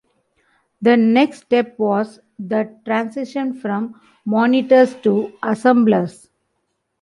The next step was the transition from monitors to assemblers.